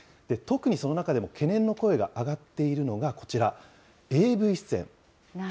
特にその中でも懸念の声が上がっているのがこちら、ＡＶ出演。